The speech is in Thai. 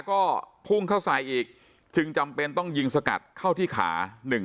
ก็พุ่งเข้าใส่อีกจึงจำเป็นต้องยิงสกัดเข้าที่ขา